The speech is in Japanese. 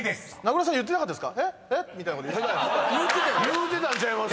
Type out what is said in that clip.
言うてたんちゃいます